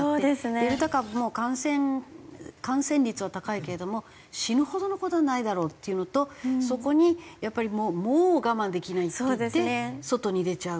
デルタ株も感染感染率は高いけれども死ぬほどの事はないだろうっていうのとそこにやっぱりもう我慢できないっていって外に出ちゃう。